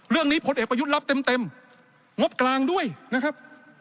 พลเอกประยุทธ์รับเต็มงบกลางด้วยนะครับ